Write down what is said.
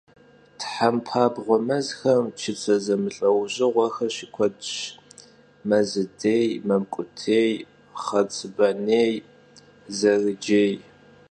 Thempabğue mezxem çıtse zemılh'eujığuexer şıkuedş: mezıdêy, mamkhutêy, xhetsıbanêy, zerıcêy.